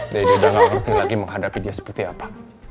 dede udah nggak ngerti lagi menghadapi dia seperti apa